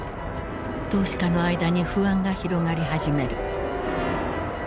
投資家の間に不安が広がり始める。